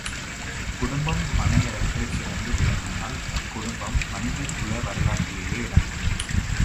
குடும்பம் மனையறத்தில் சிறந்து விளங்கினால் அக்குடும்பம் மனிதகுல வரலாற்றிலேயே இடம்பெறும்.